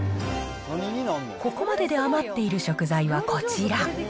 ここまでで余っている食材はこちら。